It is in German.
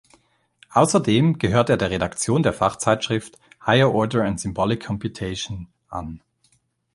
Außerdem gehört er der Redaktion der Fachzeitschrift "Higher-Order and Symbolic Computation" an.